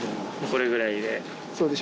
これぐらいで？